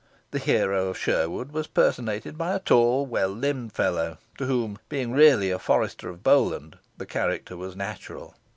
The hero of Sherwood was personated by a tall, well limbed fellow, to whom, being really a forester of Bowland, the character was natural.